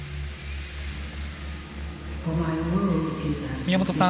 宮本さん